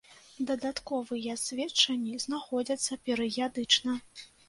Дадатковыя сведчанні знаходзяцца перыядычна.